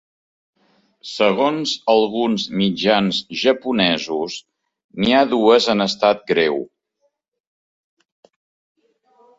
Segons alguns mitjans japonesos, n’hi ha dues en estat greu.